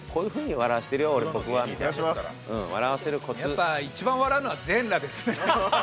やっぱ一番笑うのは全裸ですね。